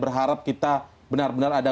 berharap kita benar benar ada